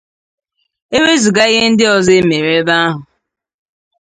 E wezuga ihe ndị ọzọ e mere ebe ahụ